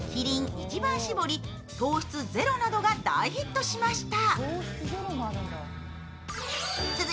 一番搾り糖質ゼロなどが大ヒットしました。